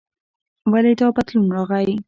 ولې دا بدلون راغلی؟